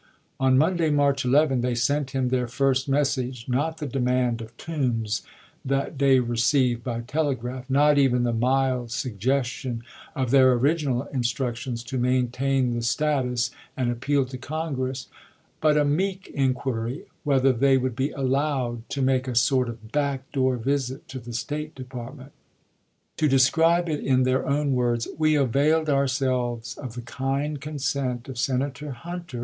On Monday, March 11, they sent him their first mes sage— not the demand of Toombs that day re ceived by telegraph, not even the mild suggestion of their original instructions to maintain the sta tus and appeal to Congress, but a meek inquiry whether they would be allowed to make a sort of back door visit to the State Department. To describe it in their own words :" We availed ourselves of the kind consent of Senator Hunter, The Com.